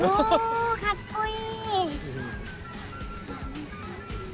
おおかっこいい！